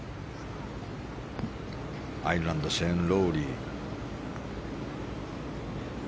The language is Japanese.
アイルランドシェーン・ロウリー。